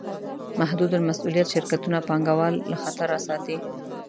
محدودالمسوولیت شرکتونه پانګهوال له خطره ساتي.